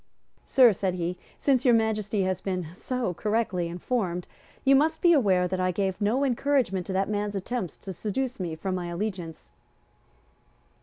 "Sir," said he, "since Your Majesty has been so correctly informed, you must be aware that I gave no encouragement to that man's attempts to seduce me from my allegiance."